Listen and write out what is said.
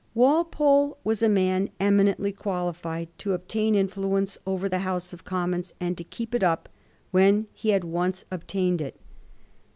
Walpole was a man eminently qualified to obtain influence over the House of Commons, and to keep it up when he had once obtained it.